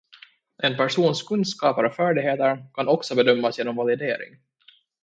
En persons kunskaper och färdigheter kan också bedömas genom validering.